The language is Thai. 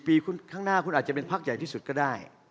ปีข้างหน้าคุณอาจจะเป็นพักใหญ่ที่สุดก็ได้